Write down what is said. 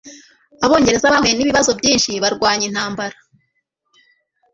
Abongereza bahuye nibibazo byinshi barwanya intambara